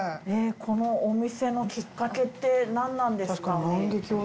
このお店のきっかけって何なんですか？